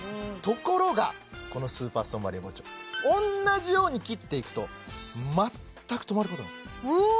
ところがこのスーパーストーンバリア包丁おんなじように切っていくと全く止まることがないうおー！